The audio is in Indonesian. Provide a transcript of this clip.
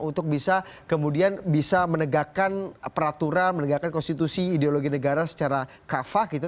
untuk bisa kemudian bisa menegakkan peraturan menegakkan konstitusi ideologi negara secara kafah gitu